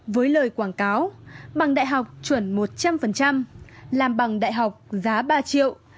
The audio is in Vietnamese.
với lời quảng cáo bằng đại học chuẩn một trăm linh làm bằng đại học giá ba triệu